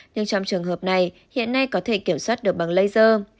nhưng trong trường hợp này hiện nay có thể kiểm soát được bằng laser